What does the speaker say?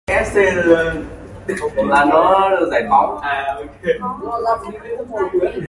The buildings are in Art Deco style.